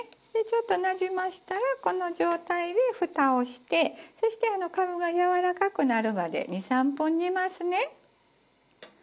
でちょっとなじませたらこの状態で蓋をしてそしてかぶがやわらかくなるまで２３分煮ますね。